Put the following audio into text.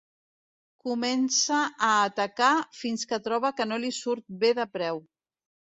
Comença a atacar fins que troba que no li surt bé de preu.